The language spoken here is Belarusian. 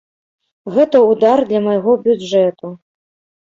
Гэта ўдар для майго бюджэту.